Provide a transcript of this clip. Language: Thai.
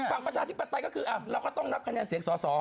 ประชาธิปไตยก็คือเราก็ต้องนับคะแนนเสียงสอสอ